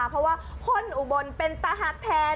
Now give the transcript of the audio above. เพราะว่าคนอุบรณ์เป็นตะหักแทน